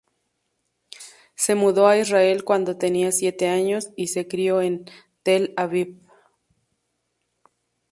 Se mudó a Israel cuando tenía siete años, y se crio en Tel Aviv.